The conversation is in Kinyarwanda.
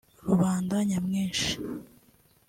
rubanda nyamwinshi